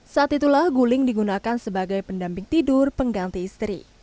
saat itulah guling digunakan sebagai pendamping tidur pengganti istri